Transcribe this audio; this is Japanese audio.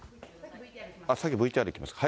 先ＶＴＲいきますか。